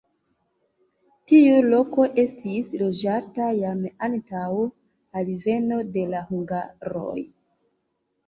Tiu loko estis loĝata jam antaŭ alveno de la hungaroj.